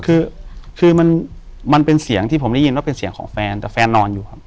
คือคือมันเป็นเสียงที่ผมได้ยินว่าเป็นเสียงของแฟนแต่แฟนนอนอยู่ครับ